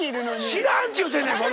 知らんっちゅうてんねん！